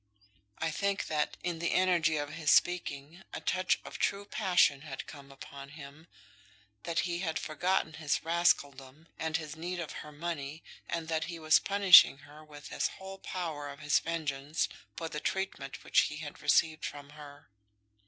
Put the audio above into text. I think that, in the energy of his speaking, a touch of true passion had come upon him; that he had forgotten his rascaldom, and his need of her money, and that he was punishing her with his whole power of his vengeance for the treatment which he had received from her.